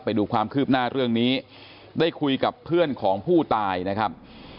ไปดูความคืบหน้าเรื่องนี้ได้คุยกับเพื่อนของผู้ตายนะครับ